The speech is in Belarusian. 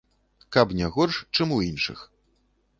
Каб не горш, чым у іншых!